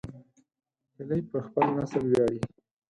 هیلۍ پر خپل نسل ویاړي